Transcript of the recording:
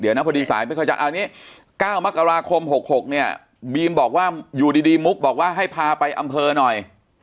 เดี๋ยวนะพอดีสายไม่ค่อยจะเอานี้๙มกราคม๖๖เนี่ยบีมบอกว่าอยู่ดีมุกบอกว่าให้พาไปอำเภอหน่อย